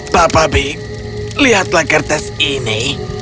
papa big lihatlah kertas ini